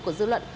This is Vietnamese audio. của dự luận